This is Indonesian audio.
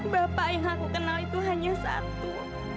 bapak yang aku kenal itu hanya satu